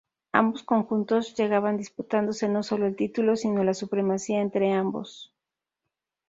Ambos conjuntos llegaban disputándose no solo el título, sino la supremacía entre ambos.